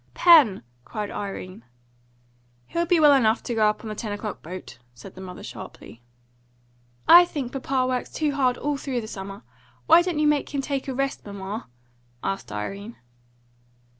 "Pen!" cried Irene. "He'll be well enough to go up on the ten o'clock boat," said the mother sharply. "I think papa works too hard all through the summer. Why don't you make him take a rest, mamma?" asked Irene.